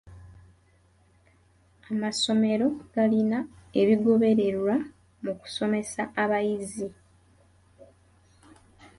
Amasomero galina ebigobererwa mu kusomesa abayizi.